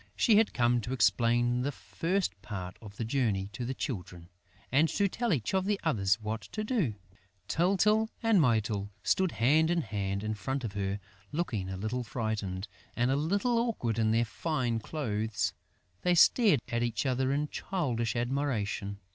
She had come to explain the first part of the journey to the Children and to tell each of the others what to do. Tyltyl and Mytyl stood hand in hand in front of her, looking a little frightened and a little awkward in their fine clothes. They stared at each other in childish admiration.